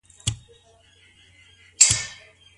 خاوند بايد د مېرمني نظافت څنګه وستايي؟